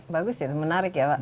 bagus ya menarik ya pak